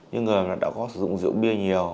như người đã có sử dụng rượu bia nhiều